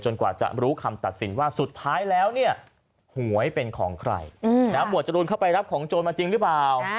กว่าจะรู้คำตัดสินว่าสุดท้ายแล้วเนี่ยหวยเป็นของใครหมวดจรูนเข้าไปรับของโจรมาจริงหรือเปล่า